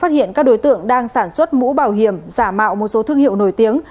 phát hiện các đối tượng đang sản xuất mũ bảo hiểm giả mạo một số thương hiệu nổi tiếng